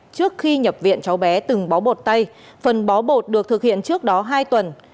trước khi nhập viện cháu bé từng bó bột tay phần bó bột được thực hiện trước đó hai tuần